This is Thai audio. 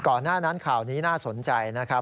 ก่อนหน้านั้นข่าวนี้น่าสนใจนะครับ